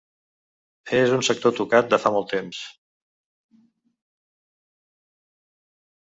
És un sector tocat de fa molt temps.